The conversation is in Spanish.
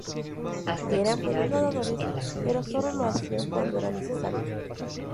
Eran buenos nadadores pero solo lo hacían cuando era necesario.